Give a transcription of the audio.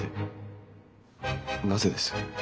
なぜです？